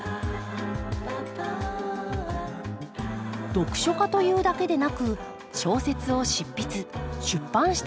読書家というだけでなく小説を執筆出版した高山さん。